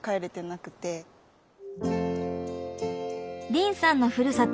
凜さんのふるさと